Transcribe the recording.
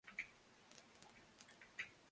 Lady St.